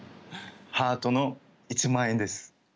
ハートの１万円です。